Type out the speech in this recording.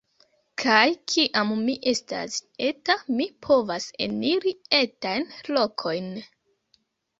Kaj kiam mi estas eta, mi povas eniri etajn lokojn.